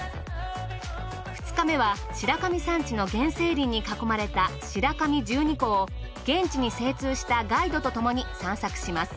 ２日目は白神山地の原生林に囲まれた白神十二湖を現地に精通したガイドとともに散策します。